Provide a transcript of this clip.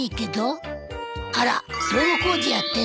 あら道路工事やってる。